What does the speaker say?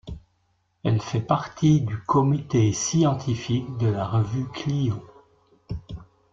Elle fait partie du comité scientifique de la revue Clio.